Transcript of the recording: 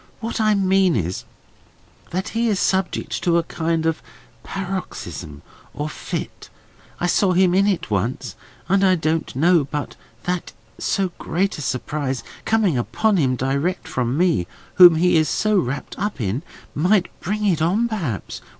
What I mean is, that he is subject to a kind of paroxysm, or fit—I saw him in it once—and I don't know but that so great a surprise, coming upon him direct from me whom he is so wrapped up in, might bring it on perhaps.